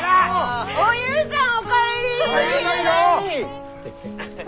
おゆうさんお帰り！